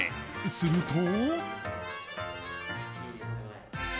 すると。